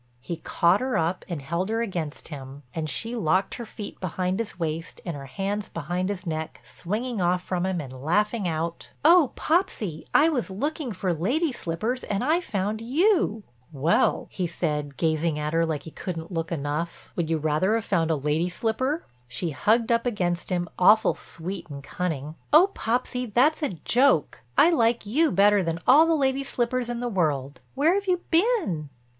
He caught her up and held her against him, and she locked her feet behind his waist and her hands behind his neck swinging off from him and laughing out: "Oh, Popsy, I was looking for lady slippers and I found you." "Well," he said, gazing at her like he couldn't look enough, "would you rather have found a lady slipper?" She hugged up against him, awful sweet and cunning. "Oh, Popsy, that's a joke. I like you better than all the lady slippers in the world. Where have you been?"